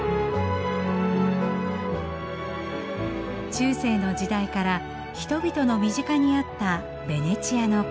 中世の時代から人々の身近にあったベネチアの教会。